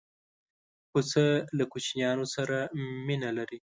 پسه له کوچنیانو سره مینه لري.